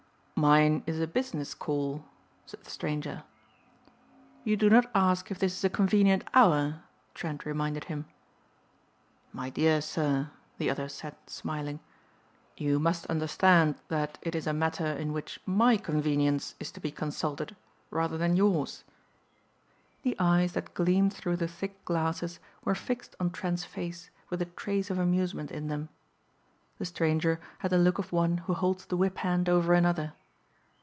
"Mine is a business call," said the stranger. "You do not ask if this is a convenient hour," Trent reminded him. "My dear sir," the other said smiling, "you must understand that it is a matter in which my convenience is to be consulted rather than yours." The eyes that gleamed through the thick glasses were fixed on Trent's face with a trace of amusement in them. The stranger had the look of one who holds the whiphand over another.